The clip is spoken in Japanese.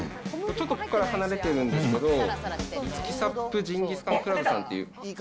ちょっとここから離れてるんですけど、ツキサップじんぎすかんクラブさんっていう。